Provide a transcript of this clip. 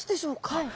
はい。